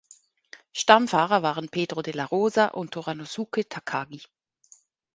Stammfahrer waren Pedro de la Rosa und Toranosuke Takagi.